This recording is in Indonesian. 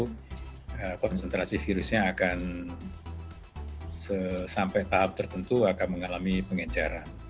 karena konsentrasi virusnya akan sampai tahap tertentu akan mengalami pengejaran